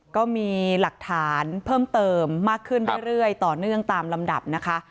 ก็มีหลักฐานเพิ่มเติมมากขึ้นเรื่อยต่อเนื่องตามลำดับนะคะ